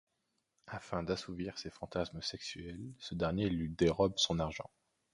Afin d'assouvir ses fantasmes sexuels, ce dernier lui dérobe son argent.